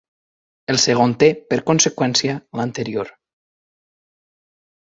El segon té per conseqüència l’anterior.